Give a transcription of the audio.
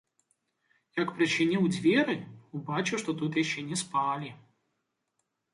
Як прычыніў дзверы, убачыў, што тут яшчэ не спалі.